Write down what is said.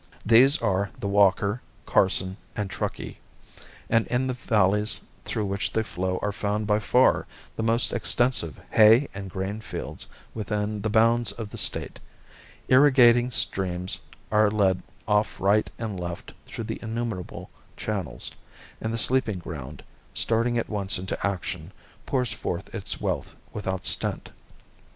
These are the Walker, Carson, and Truckee; and in the valleys through which they flow are found by far the most extensive hay and grain fields within the bounds of the State. Irrigating streams are led off right and left through innumerable channels, and the sleeping ground, starting at once into action, pours forth its wealth without stint.